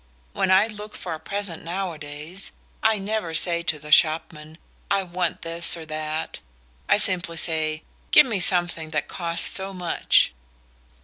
When I look for a present nowadays I never say to the shopman: 'I want this or that' I simply say: 'Give me something that costs so much.'"